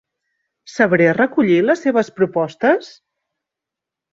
¿Sabré recollir les seves propostes?